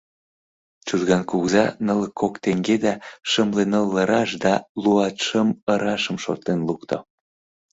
Чужган кугыза нылле кок теҥге да шымленыллыраш да луатшымырашым шотлен лукто.